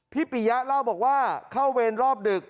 ปียะเล่าบอกว่าเข้าเวรรอบดึก